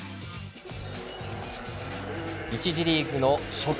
１次リーグの初戦